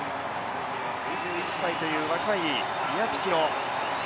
２１歳という若いイアピキノ。